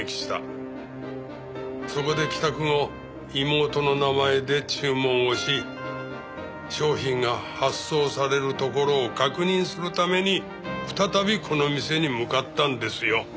そこで帰宅後妹の名前で注文をし商品が発送されるところを確認するために再びこの店に向かったんですよ。